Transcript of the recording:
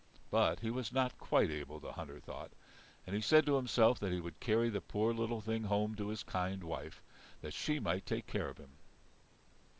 But he was not quite able, the hunter thought; and he said to himself that he would carry the poor little thing home to his kind wife, that she might take care of him.